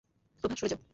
প্রভা, সরে যাও।